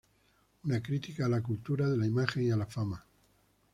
Una crítica a la cultura de la imagen y a la fama.